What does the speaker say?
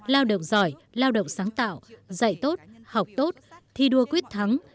lao động giỏi lao động sáng tạo dạy tốt học tốt thi đua quyết thắng